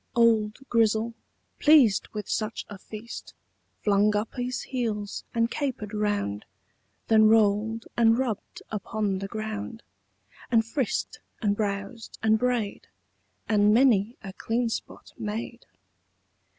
Old Grizzle, pleased with such a feast, Flung up his heels, and caper'd round, Then roll'd and rubb'd upon the ground, And frisk'd and browsed and bray'd, And many a clean spot made.